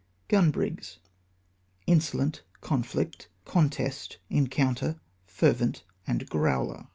Gun brigs : Insolent, Conflict, Contest, Encounter, Fervent, and Growler.